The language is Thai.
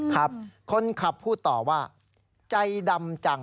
ครับคนขับพูดต่อว่าใจดำจัง